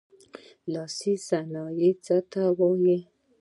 لاسي صنایع څه ته وايي.